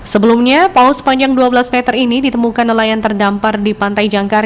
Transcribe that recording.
sebelumnya paus panjang dua belas meter ini ditemukan nelayan terdampar di pantai jangkar